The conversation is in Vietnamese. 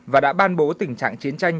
và đã ban bố tình trạng chiến tranh